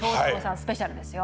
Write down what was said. スペシャルですよ。